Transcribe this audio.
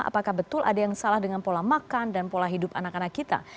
apakah betul ada yang salah dengan pola makan dan pola hidup anak anak kita